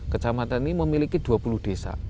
kecamatan ini memiliki dua puluh desa